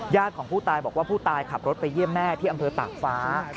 ของผู้ตายบอกว่าผู้ตายขับรถไปเยี่ยมแม่ที่อำเภอตากฟ้า